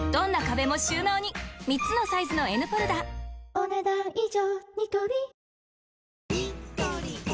お、ねだん以上。